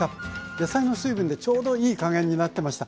野菜の水分でちょうどいい加減になってました。